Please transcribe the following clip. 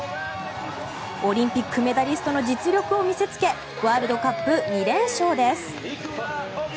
オリンピックメダリストの実力を見せつけワールドカップ２連勝です。